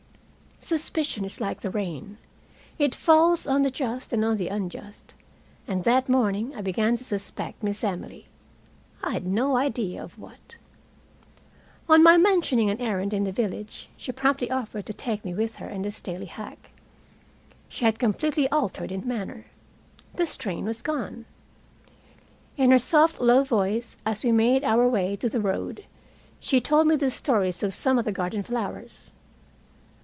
Suspicion is like the rain. It falls on the just and on the unjust. And that morning I began to suspect Miss Emily. I had no idea of what. On my mentioning an errand in the village she promptly offered to take me with her in the Staley hack. She had completely altered in manner. The strain was gone. In her soft low voice, as we made our way to the road, she told me the stories of some of the garden flowers.